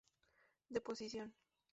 De posición.